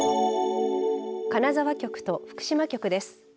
金沢局と福島局です。